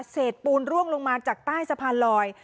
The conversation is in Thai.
ปูนร่วงลงมาจากใต้สะพานลอย